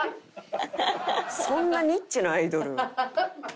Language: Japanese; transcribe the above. そんなニッチなアイドル。